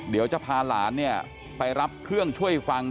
เดี๋ยวจะพาหลานเนี่ยไปรับเครื่องช่วยฟัง